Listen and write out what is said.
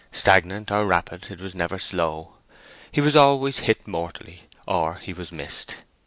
Stagnant or rapid, it was never slow. He was always hit mortally, or he was missed.